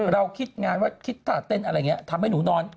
เราคิดงานว่าคิดท่าเต้นอะไรอย่างนี้ทำให้หนูนอน